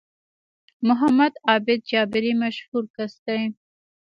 محمد عابد جابري مشهور کس دی